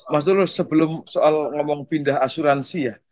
mas tulus sebelum soal ngomong pindah asuransi ya